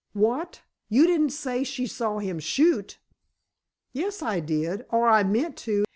"What! You didn't say she saw him shoot!" "Yes, I did. Or I meant to.